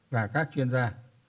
và các chuyên gia